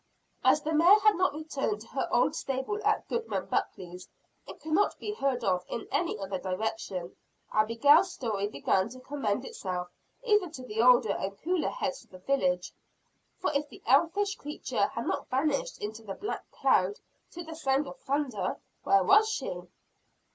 As the mare had not returned to her old stable at Goodman Buckley's, and could not be heard of in any other direction, Abigail's story began to commend itself even to the older and cooler heads of the village. For if the elfish creature had not vanished in the black cloud, to the sound of thunder, where was she?